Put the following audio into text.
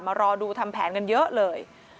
รอดูทำแผนกันเยอะเลย